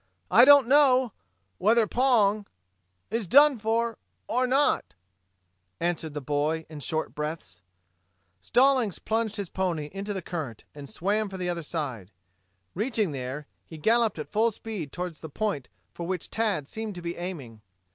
I don't know whether Pong is done for or not," answered the boy in short breaths. Stallings plunged his pony into the current and swam for the other side. Reaching there, he galloped at full speed toward the point for which Tad seemed to be aiming.